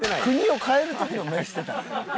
国を変える時の目してたで。